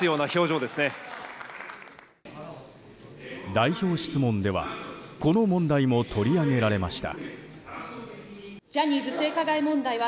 代表質問ではこの問題も取り上げられました。